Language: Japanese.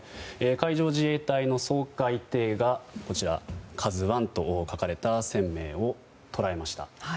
海上自衛隊の掃海艇が「ＫＡＺＵ１」と書かれた船名を捉えました。